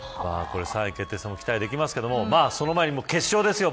３位決定戦も期待できますがその前に決勝ですよ。